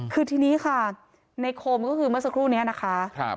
คือทีนี้ค่ะในโคมก็คือเมื่อสักครู่นี้นะคะ